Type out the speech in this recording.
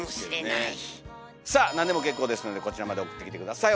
さあ何でも結構ですのでこちらまで送ってきて下さい。